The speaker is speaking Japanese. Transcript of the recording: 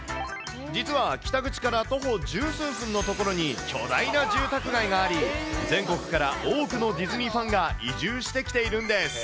実は北口から徒歩十数分の所に、巨大な住宅地があり、全国から多くのディズニーファンが移住してきているんです。